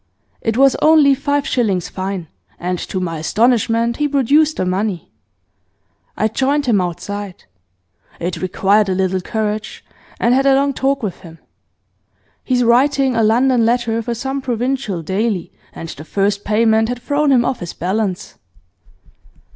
It was only five shillings fine, and to my astonishment he produced the money. I joined him outside it required a little courage and had a long talk with him. He's writing a London Letter for some provincial daily, and the first payment had thrown him off his balance.